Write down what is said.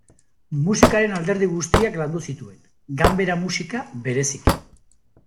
Musikaren alderdi guztiak landu zituen, ganbera-musika bereziki.